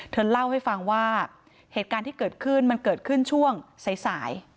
เธอเล่าให้ฟังว่าเหตุการณ์ที่เกิดขึ้นมันเกิดขึ้นช่วงสาย